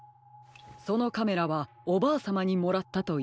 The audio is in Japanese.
そのカメラはおばあさまにもらったといっていましたね？